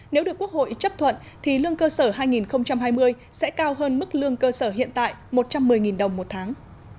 nếu được quốc hội chấp thuận thì lương cơ sở hai nghìn hai mươi sẽ cao hơn mức lương cơ sở hiện tại một trăm một mươi đồng một tháng